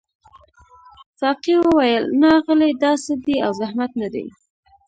ساقي وویل نه اغلې دا څه دي او زحمت نه دی.